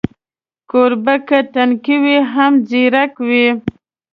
کوربه که تنکی وي، هم ځیرک وي.